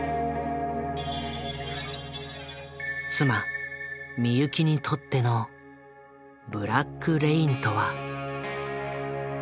妻・美由紀にとっての「ブラック・レイン」とは。